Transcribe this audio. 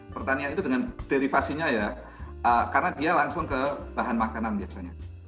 pertanian itu dengan derivasinya ya karena dia langsung ke bahan makanan biasanya